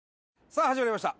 さあ始まりました。